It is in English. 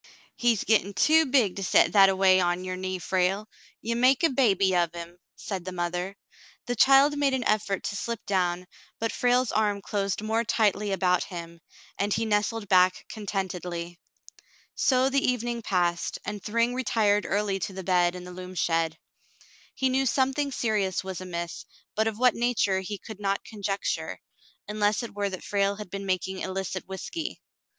" He's gettin' too big to set that a way on your knee, Frale. Ye make a baby of him," said the mother. The child made an effort to slip down, but Frale's arm closed more tightly about him, and he nestled back contentedly. So the evening passed, and Thryng retired early to the bed in the loom shed. He knew something serious was amiss, but of what nature he could not conjecture, unless it were that Frale had been making illicit whiskey.